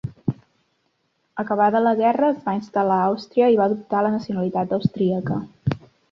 Acabada la guerra es va instal·lar a Àustria i va adoptar la nacionalitat austríaca.